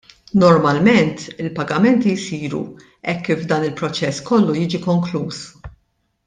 Normalment il-pagamenti jsiru hekk kif dan il-proċess kollu jiġi konkluż.